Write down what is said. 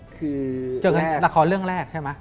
เจอหัวหรือรรของเรื่องแรกใช่ไหม